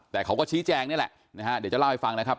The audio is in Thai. แต่เขาก็ชี้แจงนี่แหละนะฮะเดี๋ยวจะเล่าให้ฟังนะครับ